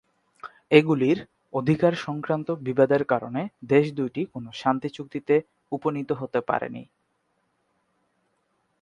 এগুলির অধিকার সংক্রান্ত বিবাদের কারণে দেশ দুইটি কোন শান্তি চুক্তিতে উপনীত হতে পারেনি।